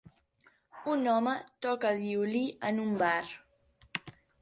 Un home toca el violí en un bar.